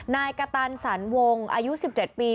นายกระตันสรรวงอายุ๑๗ปี